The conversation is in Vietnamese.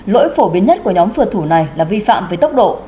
lỗi phổ biến nhất của nhóm phượt thủ này là vi phạm với tốc độ